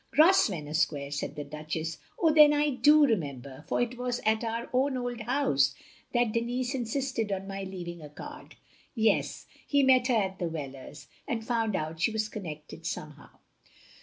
" "Grosvenor Square," said the Duchess, "oh, then I do remember; for it was at our own old house that Denis insisted on my leaving a card. Yes. He met her at the Whelers, and found out she was connected somehow.